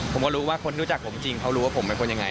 ผมก็รู้ว่าคนที่รู้จักผมจริงเขารู้ว่าผมเป็นคนยังไง